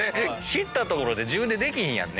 知ったところで自分でできひん。